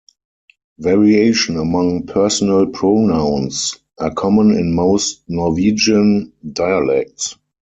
Variation among personal pronouns are common in most Norwegian dialects.